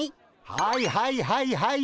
はいはいはいはい！